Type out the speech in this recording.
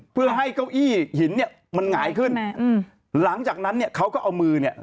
เพื่อให้เก้าอี้หินเนี่ยมันหงายขึ้นหลังจากนั้นเนี่ยเขาก็เอามือเนี่ย